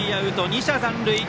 ２者残塁。